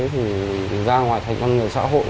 thì ra ngoài thành con người xã hội